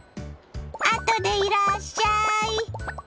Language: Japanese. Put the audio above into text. あとでいらっしゃい。